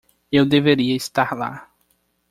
Eu deveria estar lá.